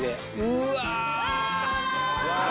うわ！